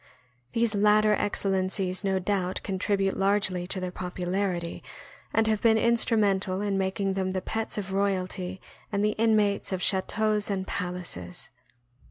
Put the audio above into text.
These latter excellencies no doubt contribute largely to their popularity, and have been instru mental in making them the pets of royalty and the inmates of chateaus and palaces.